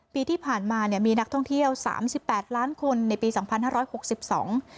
ปีที่ผ่านมาเนี่ยมีนักท่องเที่ยวสามสิบแปดล้านคนในปีสองพันห้าร้อยหกสิบสอง